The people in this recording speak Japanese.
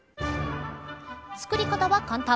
作り方は簡単。